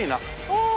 おお！